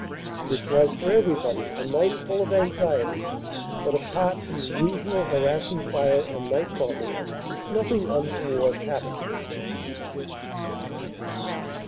"This was for everybody a night full of anxiety, but apart from the usual harassing fire and night bombing nothing untoward happened."